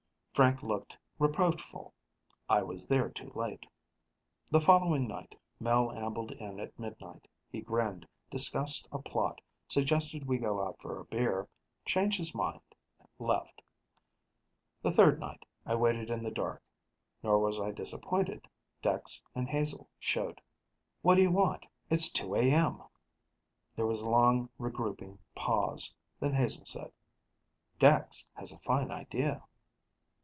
Frank looked reproachful I was there too late. The following night, Mel ambled in at midnight. He grinned, discussed a plot, suggested we go out for a beer, changed his mind, left. The third night, I waited in the dark. Nor was I disappointed: Dex and Hazel showed. "What do you want? It's 2 A.M.!" There was a long regrouping pause; then Hazel said, "Dex has a fine idea."